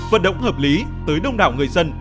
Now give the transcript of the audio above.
vận động hợp lý tới đông đảo người dân